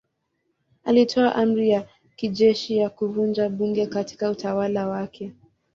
Alitoa amri ya kijeshi ya kuvunja bunge katika utawala wake.